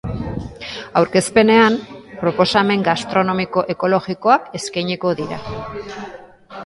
Aurkezpenean, proposamen gastronomiko ekologikoak eskainiko dira.